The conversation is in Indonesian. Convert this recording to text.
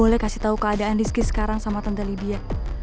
aku masih tau keadaan rizky sekarang sama tante lydia